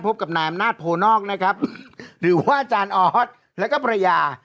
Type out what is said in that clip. พบกับนายอำนาจโพนอกนะครับหรือว่าอาจารย์ออสแล้วก็ภรรยา